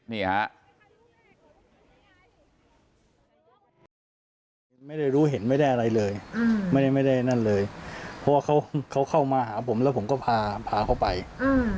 นี่ฮะไม่ได้รู้เห็นไม่ได้อะไรเลยอืมไม่ได้ไม่ได้นั่นเลยเพราะว่าเขาเขาเข้ามาหาผมแล้วผมก็พาพาเขาไปอืม